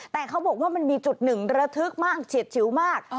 แต่เขาบอกว่ามันมีจุดหนึ่งระทึกมากเฉียดชิวมาก